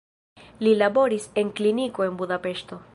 Li laboris en kliniko en Budapeŝto.